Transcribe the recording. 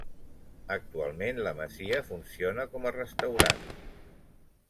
Actualment la masia funciona com a restaurant.